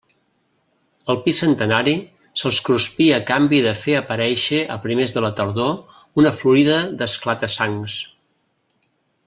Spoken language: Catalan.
El pi centenari se'ls cruspí a canvi de fer aparéixer a primers de la tardor una florida d'esclata-sangs.